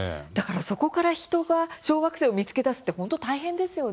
そこから人が小惑星を見つけ出すというのは本当に大変ですよね。